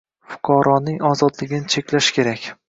Fuqaroning ozodligini cheklash kerak